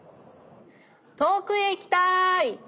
遠くへ行きたい！